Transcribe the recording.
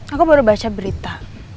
aku baru baca berita